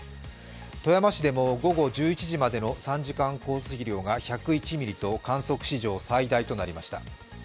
富山市でも午後１１時までの３時間降水量が１０１ミリと観測史上最大となりました。